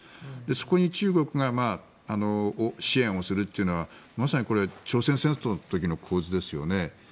そこに中国が支援をするというのはまさに朝鮮戦争の時の構図ですよね。